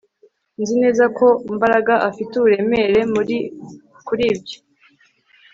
Nzi neza ko Mbaraga afite uburemere kuri ibyo